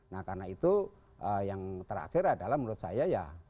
nah karena itu yang terakhir adalah menurut saya ya